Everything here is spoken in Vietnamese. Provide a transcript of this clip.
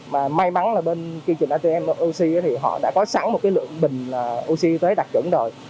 mà may mắn là bên quy trình atm oxy thì họ đã có sẵn một cái lượng bình oxy y tế đạt chuẩn rồi